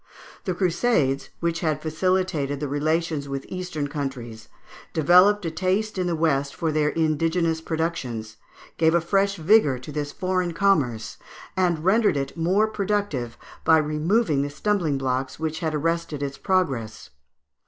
The Crusades, which had facilitated the relations with Eastern countries, developed a taste in the West for their indigenous productions, gave a fresh vigour to this foreign commerce, and rendered it more productive by removing the stumbling blocks which had arrested its progress (Fig.